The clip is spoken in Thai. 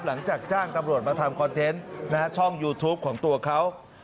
หลังจากจ้างตำรวจมาทำคอนเทนต์ช่องยูทูปของตัวเขา